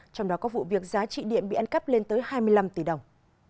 trong đó có vụ việc giá trị điện bị ăn cắp lên tới hai mươi năm tỷ đồng